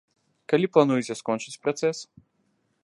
Калі плануеце скончыць працэс?